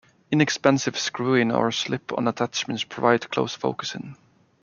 Inexpensive screw-in or slip-on attachments provide close focusing.